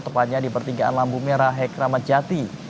tepatnya di pertigaan lambu merah hek kramatjati